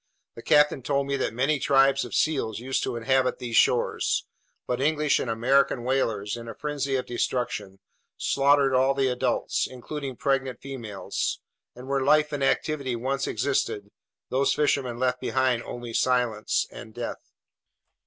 The captain told me that many tribes of seals used to inhabit these shores; but English and American whalers, in a frenzy of destruction, slaughtered all the adults, including pregnant females, and where life and activity once existed, those fishermen left behind only silence and death.